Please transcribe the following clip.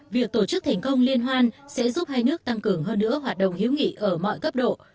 việc tổ chức thành công liên hoan sẽ giúp hai nước tăng cường hơn nữa hoạt động hiếu nghị ở mọi cấp độ